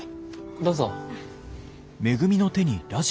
どうぞ。